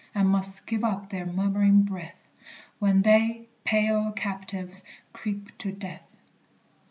And must give up their murmuring breath, When they, pale captives, creep to death.